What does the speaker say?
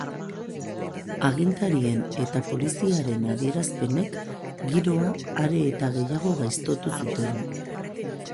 Agintarien eta Poliziaren adierazpenek giroa are gehiago gaiztotu zuten.